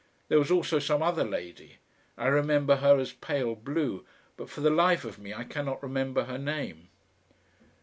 There was also some other lady. I remember her as pale blue, but for the life of me I cannot remember her name.